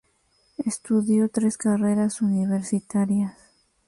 Estudió tres carreras universitarias.